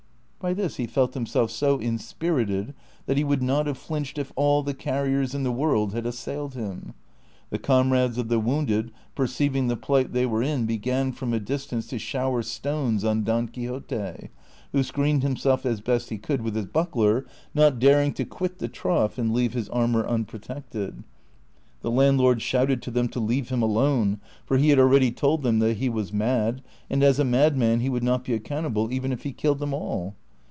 By this he felt him self so ins})irited that he would not have flinched if all the car riers in the world had assailed him. The comrades of the wounded perceiving the plight they were in began from a dis tance to shower stones on ])on Quixote, who screened himself as best he could with his buckler, not daring to quit the trough and leave his armor unprotected. The landlord shouted to them to leave him alone, for he had already told them that he was mad, and as a madman he would not be accountable even if he killed them all.